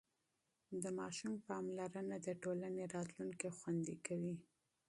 د ماشوم پاملرنه د ټولنې راتلونکی خوندي کوي.